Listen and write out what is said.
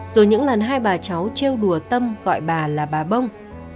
rồi những lần hai bà cháu treo đùa tâm gọi bà là bà bông